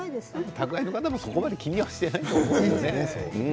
宅配の人も、それほど気にしていないと思いますよ。